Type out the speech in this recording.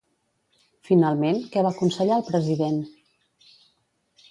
Finalment, què va aconsellar el president?